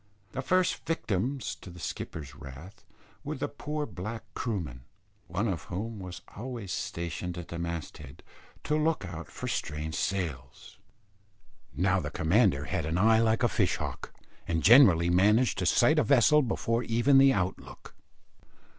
The first victims to the skipper's wrath were the poor black Kroomen, one of whom was always stationed at the mast head, to look out for strange sails. Now the commander had an eye like a fish hawk, and generally managed to sight a vessel before even the out look.